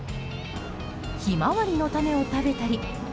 ヒマワリの種を食べたり。